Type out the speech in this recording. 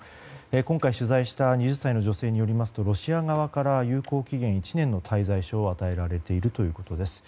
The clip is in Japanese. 今回、取材した２０歳の女性によりますとロシア側から有効期限１年の滞在証を与えられているということです。